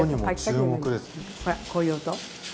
ほらこういう音。